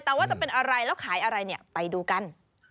แต่ว่าจะเป็นอะไรแล้วขายอะไรเนี่ยไปดูกัน